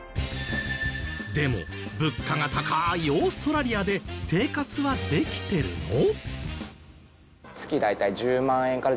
でも物価が高いオーストラリアで生活はできてるの？